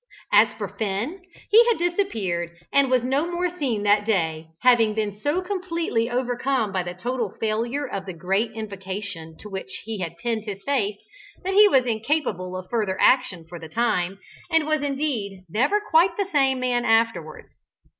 As for Finn, he had disappeared and was no more seen that day, having been so completely overcome by the total failure of the great invocation to which he had pinned his faith, that he was incapable of further action for the time, and was indeed never quite the same man afterwards.